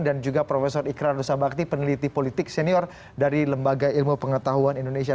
dan juga prof ikran dosa bakti peneliti politik senior dari lembaga ilmu pengetahuan indonesia